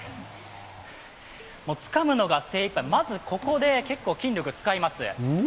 つかむのが精一杯、まずここで、筋力使います。